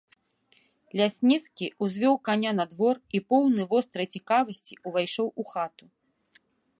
Лясніцкі ўзвёў каня на двор і, поўны вострай цікавасці, увайшоў у хату.